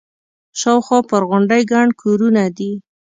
شاوخوا پر غونډۍ ګڼ کورونه دي.